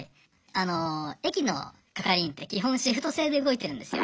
あの駅の係員って基本シフト制で動いてるんですよ。